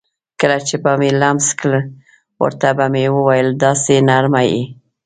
کله چې به مې لمس کړل ورته به مې وویل: داسې نرمه یې.